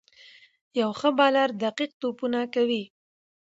یو ښه بالر دقیق توپونه کوي.